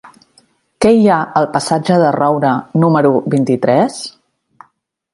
Què hi ha al passatge de Roura número vint-i-tres?